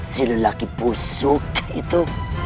si lelaki busuk itu